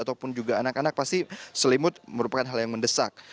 ataupun juga anak anak pasti selimut merupakan hal yang mendesak